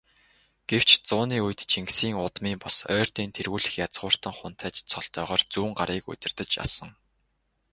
Гэвч, зууны үед Чингисийн удмын бус, Ойрдын тэргүүлэх язгууртан хунтайж цолтойгоор Зүүнгарыг удирдаж асан.